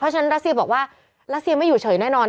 เพราะฉะนั้นรัสเซียบอกว่ารัสเซียไม่อยู่เฉยแน่นอน